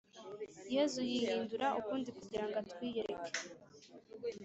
yezu yihindura ukundi kugirango atwiyereke